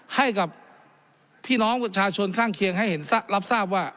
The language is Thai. ให้กับพี่น้องประชาชนข้างเคียงให้เห็นรับทราบว่า